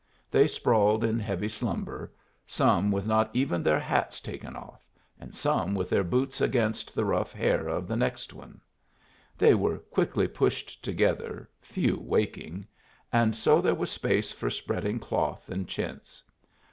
They sprawled in heavy slumber, some with not even their hats taken off and some with their boots against the rough hair of the next one. They were quickly pushed together, few waking, and so there was space for spreading cloth and chintz.